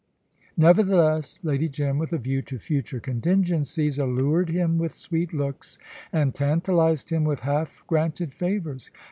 Nevertheless, Lady Jim, with a view to future contingencies, allured him with sweet looks, and tantalised him with half granted favours.